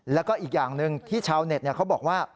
แล้วก็อีกอย่างหนึ่งที่ชาวเน็ตเขาบอกว่า